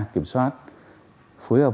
kiểm soát phối hợp